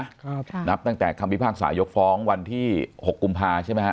ครับนับตั้งแต่คำพิพากษายกฟ้องวันที่หกกุมภาใช่ไหมฮะ